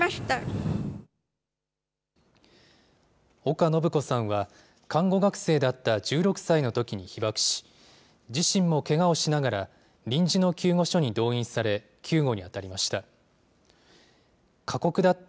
岡信子さんは、看護学生だった１６歳のときに被爆し、自身もけがをしながら、臨時の救護所に動員され、救護に当たりました。